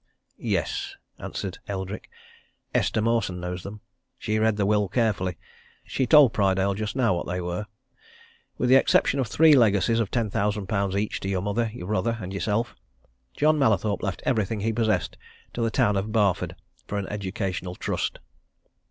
"Yes!" answered Eldrick. "Esther Mawson knows them. She read the will carefully. She told Prydale just now what they were. With the exception of three legacies of ten thousand pounds each to your mother, your brother, and yourself, John Mallathorpe left everything he possessed to the town of Barford for an educational trust."